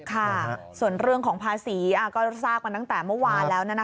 ค่ะส่วนเรื่องของภาษีก็ทราบมาตั้งแต่เมื่อวานแล้ว